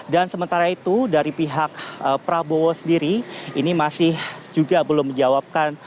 dan sementara itu dari pihak prabowo sendiri ini masih juga belum menjawabkan